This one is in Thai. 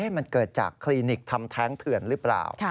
มันเกิดจากคลินิกทำแท้งเถื่อนหรือเปล่า